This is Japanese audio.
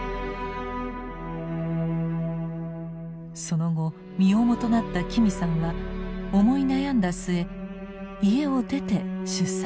その後身重となった紀美さんは思い悩んだすえ家を出て出産します。